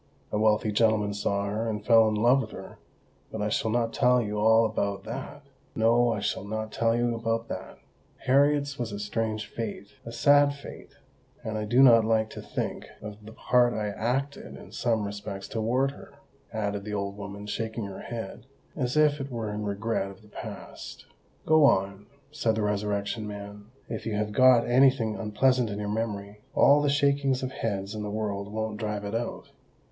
A wealthy gentleman saw her, and fell in love with her—but I shall not tell you all about that! No—I shall not tell you about that! Harriet's was a strange fate—a sad fate; and I do not like to think of the part I acted in some respects towards her," added the old woman, shaking her head, as if it were in regret of the past. "Go on," said the Resurrection Man. "If you have got any thing unpleasant in your memory, all the shakings of heads in the world won't drive it out."